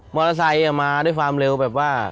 อเตอร์ไซค์มาด้วยความเร็วแบบว่า